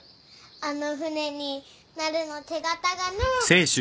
あの船になるの手形がね。